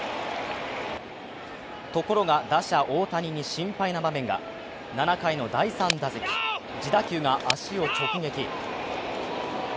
ところが打者・大谷に心配な場面が７回の第３打席、自打球が足を直撃。